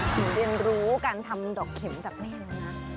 หนูเรียนรู้การทำดอกเข็มจับแน่แล้วนะ